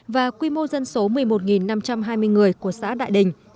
và quy mô dân số một mươi một năm trăm hai mươi người của xã đại đình